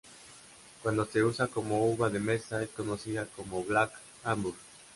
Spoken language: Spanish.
Cuando se usa como uva de mesa, es conocida como black Hamburg.